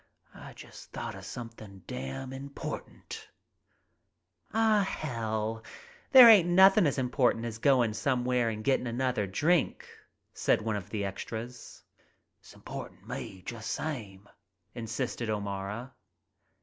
"I just thought of somethin' damn important/ * "Aw, hell, there ain't nothin' as important as goin' somewhere and gettin' anozzer drink," said one of the "extras/ '" 'Simportant t' me, jus' same," insisted O'Mara.